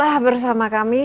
tetaplah bersama kami